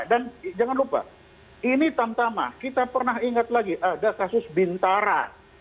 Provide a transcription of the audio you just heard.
dan jangan lupa ini tantama kita pernah ingat lagi ada kasus bintara